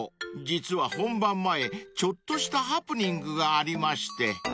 実は本番前ちょっとしたハプニングがありまして］